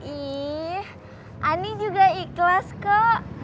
ih ani juga ikhlas kok